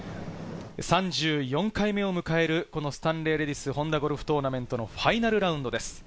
３４回目を迎えるスタンレーレディスホンダゴルフトーナメントのファイナルラウンドです。